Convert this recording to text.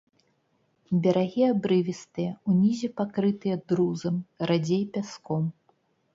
Берагі абрывістыя, унізе пакрытыя друзам, радзей пяском.